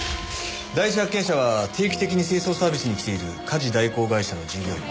第一発見者は定期的に清掃サービスに来ている家事代行会社の従業員。